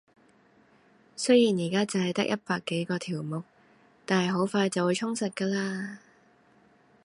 雖然而家淨係得一百幾個條目，但係好快就會充實㗎喇